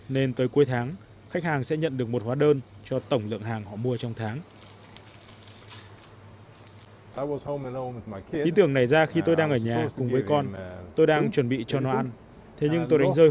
nên tới cuối tháng khách hàng sẽ nhận được một hóa đơn cho tổng lượng hàng họ mua trong tháng